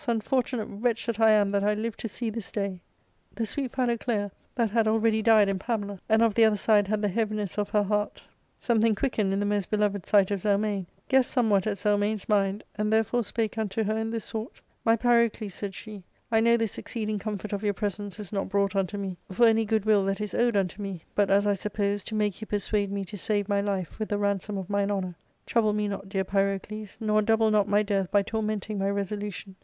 unfortunate wretch that I am that I live to see this day !" The sweet Philoclea, that had already died in Pamela, and of the other side had the heaviness of her heart some 344 ARCADIA.—Book IIL thing quickened in the most beloved sight of Zelmane, guessed somewhat at Zelmane's mind, and therefore spake unto her in this sort: " My Pyrocles," said she, " I know this exceeding comfort of your presence is not brought unto me for any good will that is owed unto me, but, as I suppose, to make you persuade me to save my life with the ransom of mine honour. Trouble me not, dear Pyrocles, nor double no^my death by tormenting my resolution.